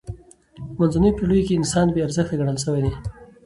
به منځنیو پېړیو کښي انسان بې ارزښته ګڼل سوی دئ.